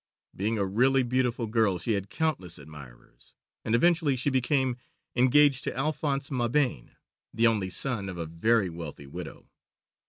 Being a really beautiful girl, she had countless admirers, and eventually she became engaged to Alphonse Mabane, the only son of a very wealthy widow.